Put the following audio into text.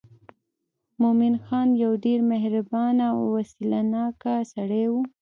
مومن خان یو ډېر مهربانه او وسیله ناکه سړی و.